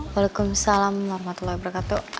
waalaikumsalam warahmatullahi wabarakatuh